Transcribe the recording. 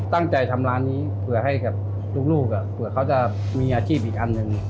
ตั้งใจทำร้านนี้เผื่อให้กับลูกเผื่อเขาจะมีอาชีพอีกอันหนึ่ง